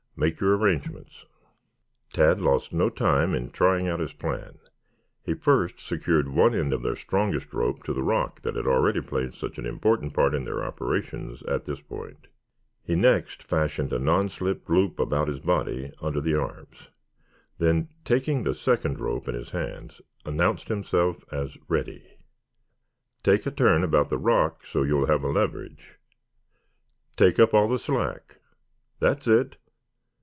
Make your arrangements." Tad lost no time in trying out his plan. He first secured one end of their strongest rope to the rock that already had played such an important part in their operations at that point. He next fashioned a non slip loop about his body under the arms, then taking the second rope in his hands announced himself as ready. "Take a turn about the rock so you will have a leverage. Take up all the slack. That's it.